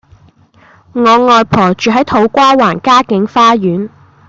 我外婆住喺土瓜灣嘉景花園